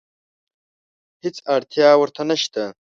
هېڅ اړتیا ورته نشته.